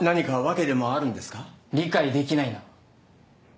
理解できないな。